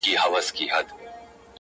خو ګډوډي زياته ده